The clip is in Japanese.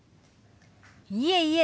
いえいえ。